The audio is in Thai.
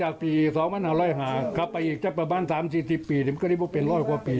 กลับไปอีกจะประมาณสามสี่สิบปีนี่ก็ได้บอกเป็นร้อยพอปี